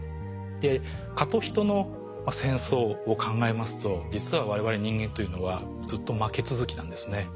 で蚊と人の戦争を考えますと実はわれわれ人間というのはずっと負け続きなんですね。